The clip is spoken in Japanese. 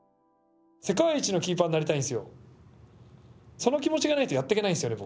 その気持ちがないとやってけないんですよね